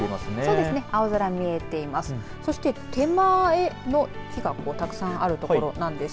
青空、見えています。